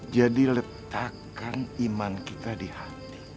jadi letakkan iman kita di hati